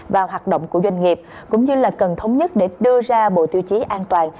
vào hoạt động của doanh nghiệp cũng như là cần thống nhất để đưa ra bộ tiêu chí an toàn